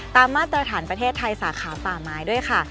มาตรฐานประเทศไทยสาขาป่าไม้ด้วยค่ะ